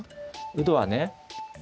うどはね